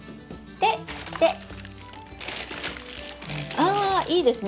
あいいですね！